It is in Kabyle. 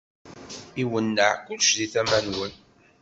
Iwenneɛ kullec di tama-nwen.